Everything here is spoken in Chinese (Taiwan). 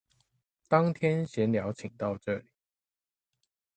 當天閒聊請到這裡